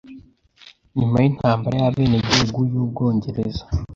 Nyuma y’intambara y’abenegihugu y’Ubwongereza